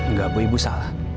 nggak bu ibu salah